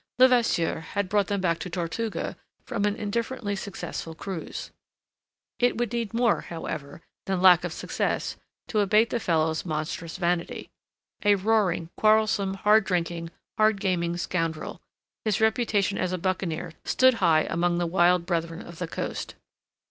Levasseur had brought them back to Tortuga from an indifferently successful cruise. It would need more, however, than lack of success to abate the fellow's monstrous vanity. A roaring, quarrelsome, hard drinking, hard gaming scoundrel, his reputation as a buccaneer stood high among the wild Brethren of the Coast.